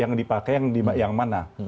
yang dipakai yang mana